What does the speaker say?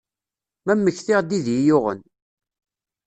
Ma mektiɣ-d i d iyi-yuɣen.